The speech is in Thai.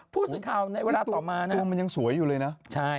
ผู้สื่อข่าวในเวลาต่อมานะมุมมันยังสวยอยู่เลยนะ